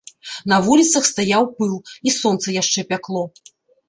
На вуліцах стаяў пыл, і сонца яшчэ пякло.